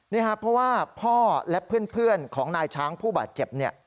นี่ครับเพราะว่าพ่อและเพื่อนของนายช้างผู้บาดเจ็บเนี่ย